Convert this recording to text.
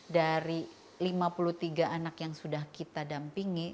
dari lima puluh tiga anak yang sudah kita dampingi